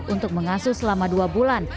untuk mengasuh selama dua bulan